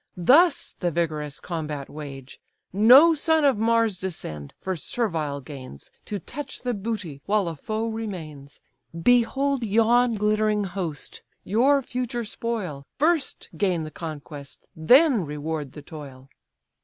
thus the vigorous combat wage; No son of Mars descend, for servile gains, To touch the booty, while a foe remains. Behold yon glittering host, your future spoil! First gain the conquest, then reward the toil."